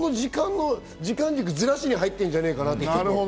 時間軸ずらしに入ってるんじゃないかって。